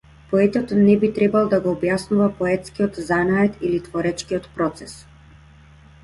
Поетот не би требал да го објаснува поетскиот занает или творечкиот процес.